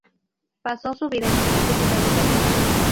Pasó su vida en diferentes ciudades de Argentina.